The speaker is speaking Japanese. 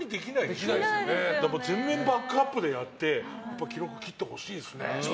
やっぱり全面バックアップでやって記録切ってほしいですね。